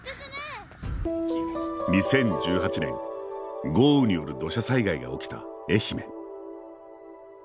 ２０１８年、豪雨による土砂災害が起きた愛媛。